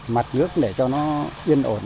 mặt nước để cho nó yên ổn